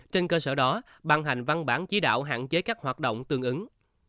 trên cơ sở đó bàn hành văn bản chí đạo hạn chế các hoạt động tương ứng